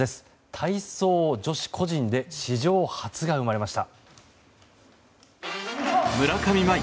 体操女子個人で史上初が生まれました。